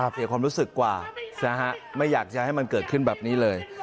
เสียความรู้สึกกว่านะฮะไม่อยากจะให้มันเกิดขึ้นแบบนี้เลย